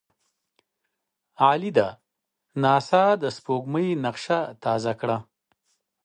عالي ده! ناسا د سپوږمۍ نقشه تازه کړه.